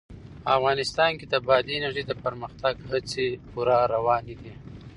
افغانستان کې د بادي انرژي د پرمختګ هڅې پوره روانې دي.